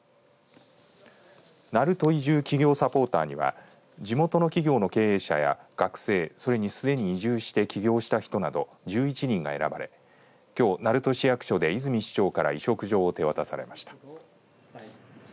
なると移住起業サポーターには地元の企業経営者や学生それにすでに移住して起業した人など１１人が選ばれきょう鳴門市役所で泉市長から委嘱状を手渡されました。